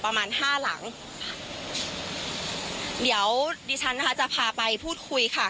ประมาณห้าหลังเดี๋ยวดิฉันนะคะจะพาไปพูดคุยค่ะ